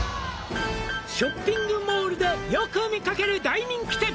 「ショッピングモールでよく見かける大人気店」